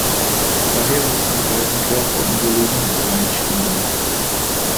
Daher müssen die beiden Körper im Volumen übereinstimmen.